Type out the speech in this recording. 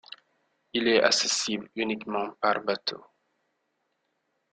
Il est accessible uniquement par bateau.